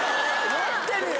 持ってるよ